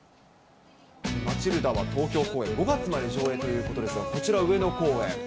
マチルダは東京公演、５月まで上演ということですが、こちら、上野公園。